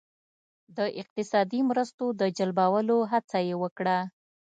د اقتصادي مرستو د جلبولو هڅه یې وکړه.